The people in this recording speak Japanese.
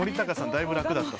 だいぶ楽だった。